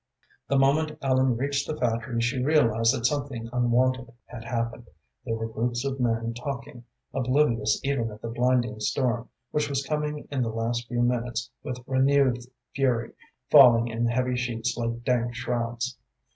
The moment Ellen reached the factory she realized that something unwonted had happened. There were groups of men, talking, oblivious even of the blinding storm, which was coming in the last few minutes with renewed fury, falling in heavy sheets like dank shrouds.